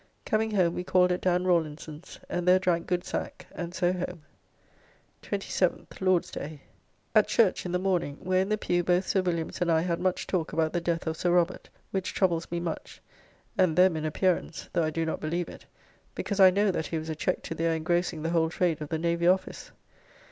Coming home we called at Dan Rawlinson's; and there drank good sack, and so home. 27th (Lord's day). At church in the morning; where in the pew both Sir Williams and I had much talk about the death of Sir Robert, which troubles me much; and them in appearance, though I do not believe it; because I know that he was a cheque to their engrossing the whole trade of the Navy office.